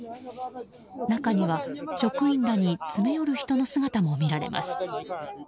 中には職員らに詰め寄る人の姿も見られます。